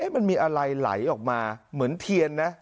มันมีอะไรไหลออกมาเหมือนเทียนนะ